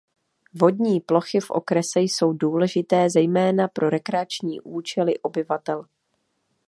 Vodní plochy v okrese jsou důležité zejména pro rekreační účely obyvatel.